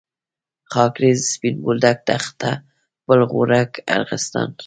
خاکریز، سپین بولدک، تخته پل، غورک، ارغستان.